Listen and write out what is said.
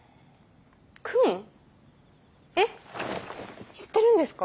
えっ知ってるんですか？